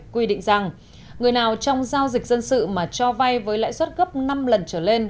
quy định rằng người nào trong giao dịch dân sự mà cho vay với lãi suất gấp năm lần trở lên